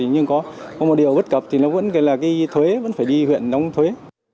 nhưng có một điều bất cập thì nó vẫn là cái thuế vẫn phải đi huyện đóng thuế